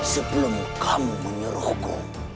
sebelum kamu menyeruhku